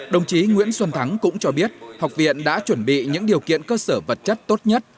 đồng chí nguyễn xuân thắng cũng cho biết học viện đã chuẩn bị những điều kiện cơ sở vật chất tốt nhất